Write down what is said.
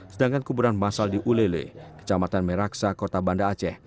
sedangkan kuburan masal di ulele kecamatan meraksa kota banda aceh